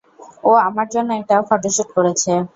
ও আমার জন্য একটা ফটোশুট করেছে।